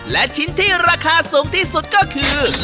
และชิ้นที่ราคาสูงที่สุดก็คือ